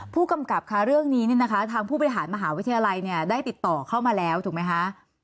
ผู้กำกับค่ะเรื่องนี้เนี่ยนะคะทางผู้บริหารมหาวิทยาลัยเนี่ยได้ติดต่อเข้ามาแล้วถูกไหมคะ